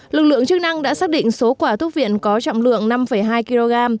lực lượng chức năng đã xác định số quả thuốc viện có trọng lượng năm hai kg